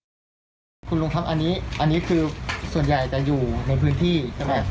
ในพื้นที่คุณลุงครับอันนี้อันนี้คือส่วนใหญ่จะอยู่ในพื้นที่ใช่ไหม